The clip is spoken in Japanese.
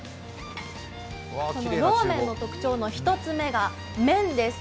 ローメンの特徴の１つ目が麺です。